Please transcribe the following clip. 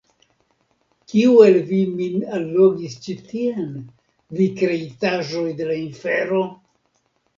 Kiu el vi min allogis ĉi tien, vi kreitaĵoj de la infero?